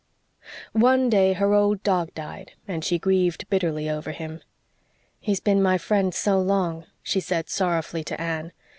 One day her old dog died and she grieved bitterly over him. "He's been my friend so long," she said sorrowfully to Anne.